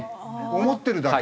思ってるだけ？